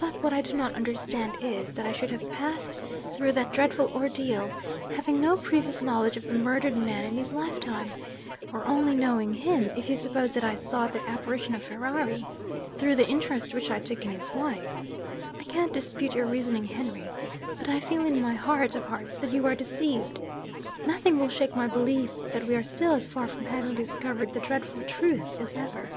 But what I do not understand is, that I should have passed through that dreadful ordeal; having no previous knowledge of the murdered man in his lifetime, or only knowing him (if you suppose that I saw the apparition of Ferrari) through the interest which I took in his wife. I can't dispute your reasoning, Henry. But I feel in my heart of hearts that you are deceived. Nothing will shake my belief that we are still as far from having discovered the dreadful truth as ever.'